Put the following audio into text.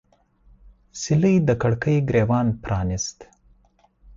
سیلۍ د کړکۍ ګریوان پرانیست